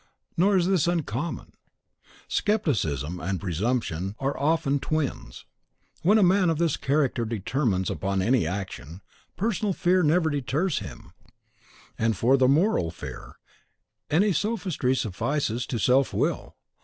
Nor is this uncommon: scepticism and presumption are often twins. When a man of this character determines upon any action, personal fear never deters him; and for the moral fear, any sophistry suffices to self will.